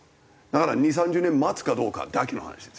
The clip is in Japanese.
だから２０３０年待つかどうかだけの話ですよ。